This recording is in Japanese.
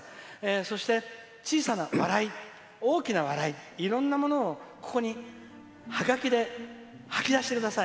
そして、小さな笑い、大きな笑いいろんなものを、ここにハガキで吐き出してください。